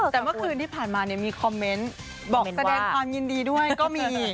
แต่เมื่อคืนที่ผ่านมามีคอมเมนต์บอกแสดงความยินดีด้วยก็มี